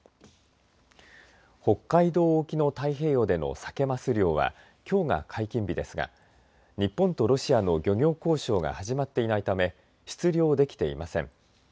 北海道沖の太平洋でのサケマス漁はきょうが解禁日ですが日本とロシアの漁業交渉が始まっていないため出漁できていません。